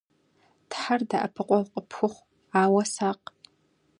Тхьэр дэӀэпыкъуэгъу къыпхухъу. Ауэ сакъ.